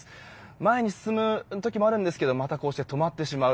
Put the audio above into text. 前に進む時もあるんですがまたこうして止まってしまう。